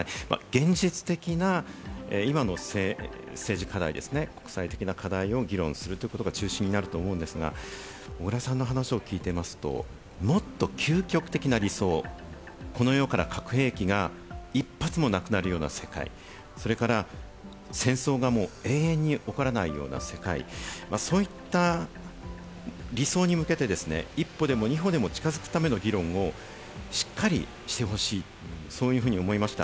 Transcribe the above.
現実的な今の政治課題ですね、国際的な課題を議論することが中心になると思うんですが、小倉さんの話を聞いていますと、もっと究極的な理想、この世から核兵器が一発もなくなるような世界、それから戦争がもう永遠に起こらないような世界、そういった理想に向けて１歩でも２歩でも近づくための議論をしっかりしてほしい、そういうふうに思いました。